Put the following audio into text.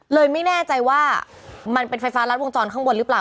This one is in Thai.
ไม่แน่ใจว่ามันเป็นไฟฟ้ารัดวงจรข้างบนหรือเปล่า